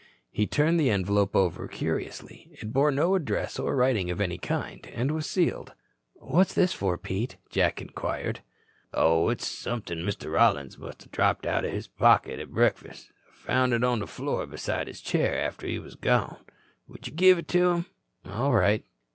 He turned the envelope over curiously. It bore no address or writing of any kind, and was sealed. "What's this for, Pete?" Jack inquired. "Oh, that's somethin' Mr. Rollins musta dropped out o' his pocket at breakfast. Found it on the floor beside his chair after he was gone. Will you give it to him?" "All right."